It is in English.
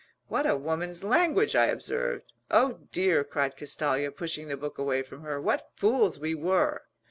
"What a woman's language!" I observed. "Oh, dear," cried Castalia, pushing the book away from her, "what fools we were!